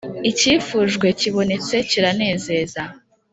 icyifujwe kibonetse kiranezeza